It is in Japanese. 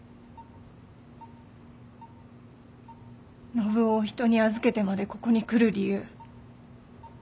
信男を人に預けてまでここに来る理由ないと思う。